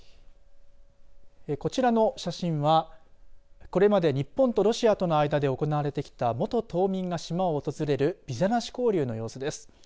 こちらの写真はこれまで、日本とロシアと間で行われてきた元島民が島を訪れるビザなし交流の様子です。